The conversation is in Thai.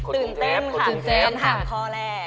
ตื่นเต้นค่ะคำถามข้อแรก